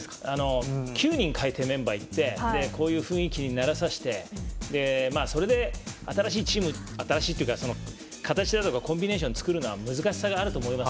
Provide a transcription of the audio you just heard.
９人、代えてメンバーいってこういう雰囲気に慣れさしてそれで新しいチーム新しいというか形なのかコンビネーションを作るのは難しさあると思います。